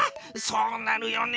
そうなるよね。